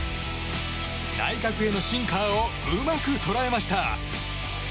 内角へのシンカーをうまく捉えました。